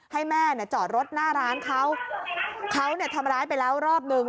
ให้แม่เนี่ยจอดรถหน้าร้านเขาเขาเนี่ยทำร้ายไปแล้วรอบนึง